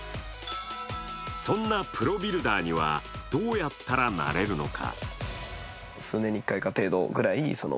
そんなプロビルダーには、どうやったらなれるのか。